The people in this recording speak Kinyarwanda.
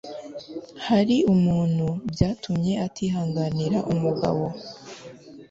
Hari ukuntu byatumye atihanganira umugabo